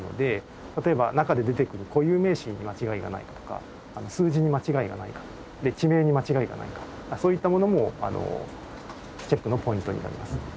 例えば中で出てくる固有名詞に間違いがないかとか数字に間違いがないか地名に間違いがないかそういったものもチェックのポイントになります。